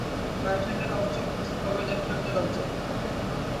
Right handed object হবে left handed object.